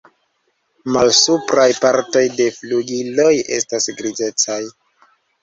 Malsupraj partoj de flugiloj estas grizecaj.